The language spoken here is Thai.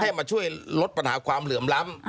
ให้มาช่วยลดปัญหาความเหลื่อมล้ำ